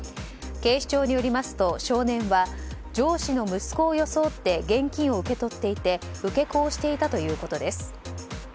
警視庁によりますと、少年は上司の息子を装って現金を受け取っていて受け子をしていたということです。